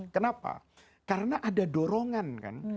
kenapa karena ada dorongan kan